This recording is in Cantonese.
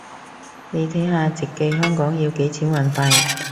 你睇下直寄香港要幾錢運費